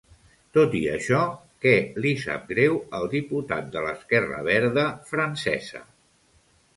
Tot i això, què li sap greu al diputat de l'esquerra verda francesa?